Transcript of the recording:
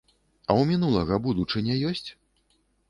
А ў мінулага будучыня ёсць?